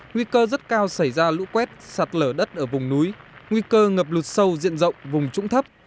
nguy cơ rất cao xảy ra lũ quét sạt lở đất ở vùng núi nguy cơ ngập lụt sâu diện rộng vùng trũng thấp